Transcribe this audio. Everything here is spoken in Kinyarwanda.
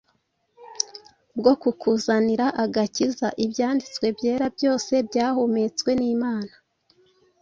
bwo kukuzanira agakiza,…Ibyanditswe byera byose byahumetswe n’Imana